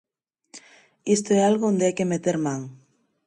Isto é algo onde hai que meter man.